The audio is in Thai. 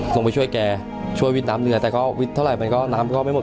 ส่งไปช่วยแก่ช่วยวิทย์น้ำเหลือแต่วิทย์เท่าไหร่น้ำก็ไม่หมด